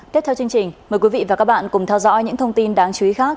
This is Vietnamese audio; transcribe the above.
tiếp theo chương trình mời quý vị và các bạn cùng theo dõi những thông tin đáng chú ý khác